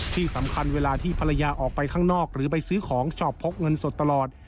ที่สำคัญเวลาที่ภรรยาออกไปข้างนอกหรือไปซื้อของชอบพกเงินสดตลอด